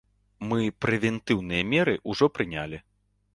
Мы прэвентыўныя меры ўжо прынялі.